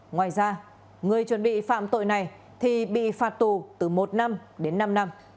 ngoài ra người chuẩn bị phạm tội này thì bị phạt tù từ một năm đến năm năm